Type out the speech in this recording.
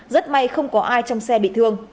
rất may không có ai trong xe bị thương